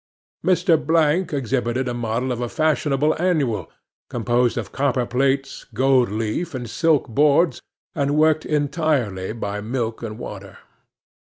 'MR. BLANK exhibited a model of a fashionable annual, composed of copper plates, gold leaf, and silk boards, and worked entirely by milk and water.